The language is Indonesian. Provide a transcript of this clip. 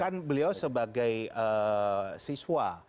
kan beliau sebagai siswa